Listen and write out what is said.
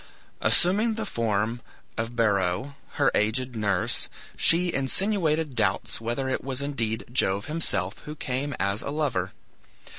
Assuming the form of Beroe, her aged nurse, she insinuated doubts whether it was indeed Jove himself who came as a lover.